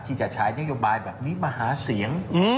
ที่จะใช้โยบายฝรั่งที่นี้มาหาเสียง